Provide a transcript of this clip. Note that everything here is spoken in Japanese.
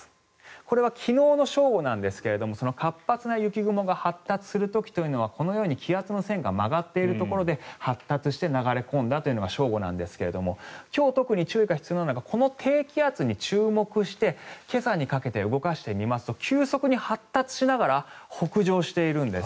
これは昨日の正午なんですが活発な雪雲が発達する時というのはこのように気圧の線が曲がっているところで発達して流れ込んだというのが正午なんですが今日特に注意なのがこの低気圧に注目して今朝にかけて動かしてみますと急速に発達しながら北上しているんです。